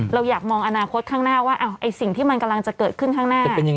เราอยากมองอนาคตข้างหน้าว่าสิ่งที่มันกำลังจะเกิดขึ้นข้างหน้า